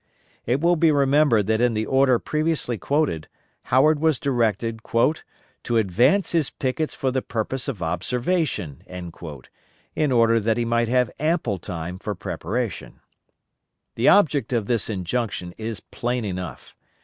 It will be remembered that in the order previously quoted, Howard was directed "to advance his pickets for the purpose of observation," in order that he might have ample time for preparation. The object of this injunction is plain enough.